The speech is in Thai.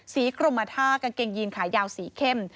กรมท่ากางเกงยีนขายาวสีเข้ม